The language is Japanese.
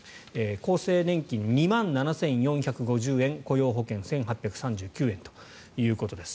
厚生年金、２万７４５０円雇用保険、１８３９円ということです。